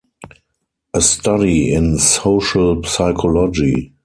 A Study in Social Psychology.